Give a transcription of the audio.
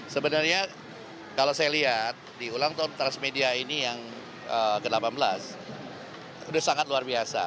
sebenarnya kalau saya lihat di ulang tahun transmedia ini yang ke delapan belas sudah sangat luar biasa